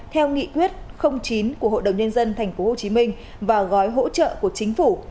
theo nghị quyết chín của hội đồng nhân dân tp hcm và gói hỗ trợ của chính phủ